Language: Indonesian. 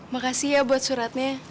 makasih ya untuk suratnya